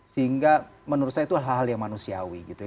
sehingga menurut saya itu hal hal yang manusiawi gitu ya